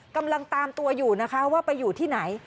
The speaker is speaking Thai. กำลังตามตัวอยู่นะคะว่าไปอยู่ที่ไหน